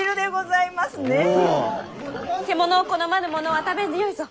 獣を好まぬ者は食べんでよいぞ。